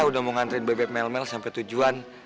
udah mau nganterin bebe mel mel sampai tujuan